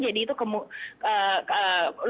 jadi itu lumrahnya adalah bulanan